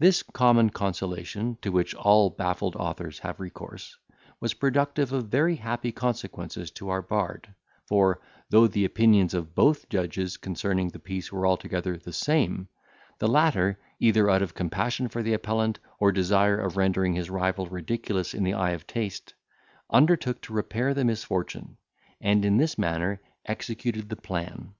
This common consolation, to which all baffled authors have recourse, was productive of very happy consequences to our bard; for, though the opinions of both judges concerning the piece were altogether the same, the latter, either out of compassion to the appellant, or desire of rendering his rival ridiculous in the eye of taste, undertook to repair the misfortune, and in this manner executed the plan.